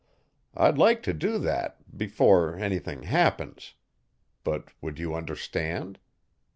I'd like to do that before anything happens. But would you understand?